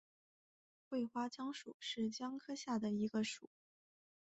喙花姜属是姜科下的一个属。